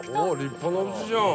立派なうちじゃん。